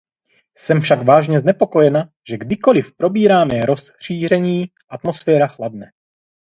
Jsem však vážně znepokojena, že kdykoliv probíráme rozšíření, atmosféra chladne.